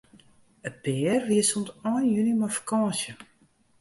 It pear wie sûnt ein juny mei fakânsje.